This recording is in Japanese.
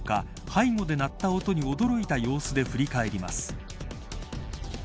背後で鳴った音に驚いた様子で振り返ります。